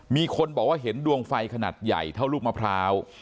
มีคนบอกว่าเห็นดวงไฟขนาดใหญ่เท่าลูกมะพร้าว